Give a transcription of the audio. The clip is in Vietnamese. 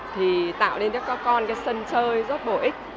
thì tạo nên cho các con cái sân chơi rất bổ ích